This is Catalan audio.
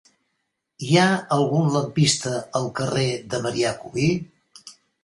Hi ha algun lampista al carrer de Marià Cubí?